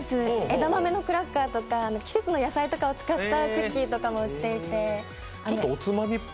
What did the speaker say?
枝豆のクラッカーとか季節の野菜を使ったクッキーとかも売っていて。